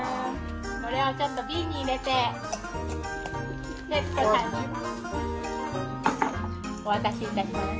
「これをちょっと瓶に入れて徹子さんにお渡し致します」